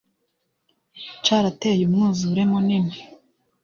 Carateye umwuzure munini